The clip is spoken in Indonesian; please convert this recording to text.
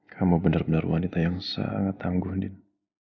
kamu benar benar wanita yang sangat tangguh andin